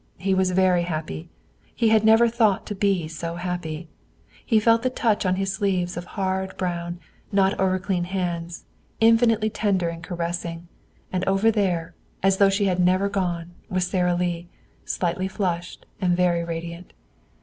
He was very happy. He had never thought to be so happy. He felt the touch on his sleeves of hard brown, not overclean hands, infinitely tender and caressing; and over there, as though she had never gone, was Sara Lee, slightly flushed and very radiant.